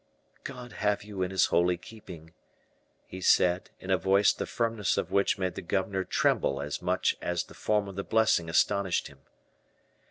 "God have you in his holy keeping," he said, in a voice the firmness of which made the governor tremble as much as the form of the blessing astonished him.